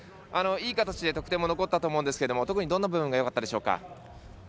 いい形で得点残ったと思うんですけど特にどんな部分がよかったでしょうか。